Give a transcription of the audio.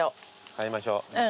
買いましょう。